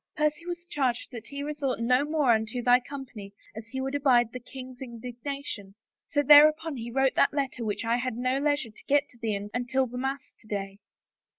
Percy was charged that he resort no more unto thy company as he would abide the king's indignation ... so thereupon he wrote that letter which I had no leisure to get to thee until the mass to day."